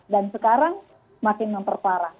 dan sekarang makin memperparah